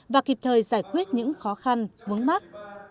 và kịp thời giải quyết những khó khăn vấn mắc